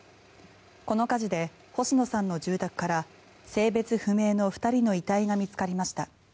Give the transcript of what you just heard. この火事で星野さんの住宅から性別不明の２人の遺体が見つかりました。